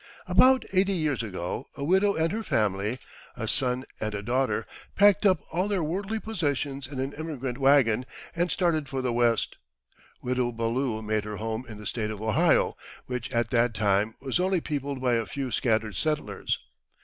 About eighty years ago, a widow and her family a son and a daughter packed up all their worldly possessions in an emigrant waggon, and started for the West. Widow Ballou made her home in the State of Ohio, which at that time was only peopled by a few scattered settlers.